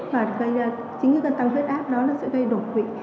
và chính cái cơn tăng huyết ác đó nó sẽ gây đột quỳ